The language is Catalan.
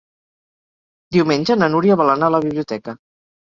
Diumenge na Núria vol anar a la biblioteca.